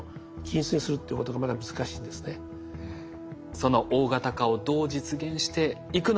その大型化をどう実現していくのか。